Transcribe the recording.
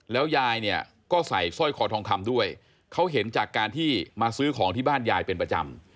แล้วยายเนี่ยก็ใส่สร้อยคอทองคำด้วยเขาเห็นจากการที่มาซื้อของที่บ้านยายเป็นประจำ